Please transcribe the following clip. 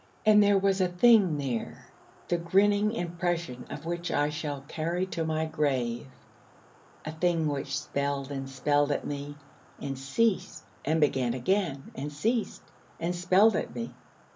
And there was a thing there, the grinning impression of which I shall carry to my grave: a thing which spelled and spelled at me, and ceased, and began again, and ceased, and spelled at me.